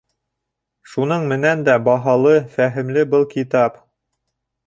Шуның менән дә баһалы, фәһемле был китап.